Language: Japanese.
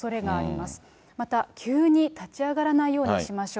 また急に立ち上がらないようにしましょう。